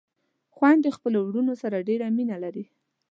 خويندې خپلو وروڼو سره ډېره مينه لري